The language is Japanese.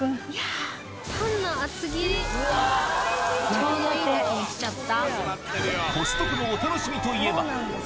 ちょうどいい時に来ちゃった。